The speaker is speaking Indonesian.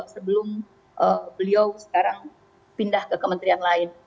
sebelum beliau sekarang pindah ke kementerian lain